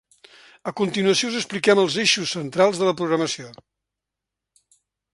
A continuació us expliquem els eixos centrals de la programació.